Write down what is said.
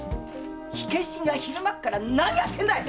火消しが昼間から何やってんだい‼